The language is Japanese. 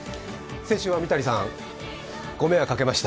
先週は三谷さん、ご迷惑をかけました。